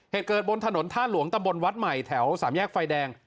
เหตุเกิดบนถนนท่าหลวงตำบลวัดใหม่แถวสามแยกไฟแดง